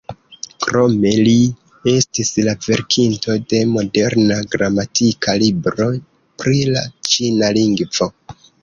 Krome li estis la verkinto de moderna gramatika libro pri la ĉina lingvo.